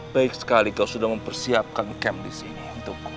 baik sekali kau sudah mempersiapkan kamp diselam